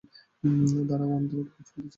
দাড়াও, আমি তোমাকে কিছু বলতে চাই।